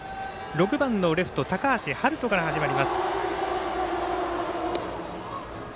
６番のレフト、高橋陽大から始まります。